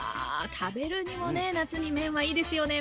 食べるにもね夏に麺はいいですよね。